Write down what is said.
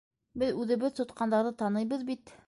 - Беҙ үҙебеҙ тотҡандарҙы таныйбыҙ бит.